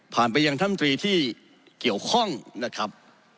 ไปยังท่านตรีที่เกี่ยวข้องนะครับ